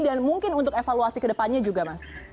dan mungkin untuk evaluasi ke depannya juga mas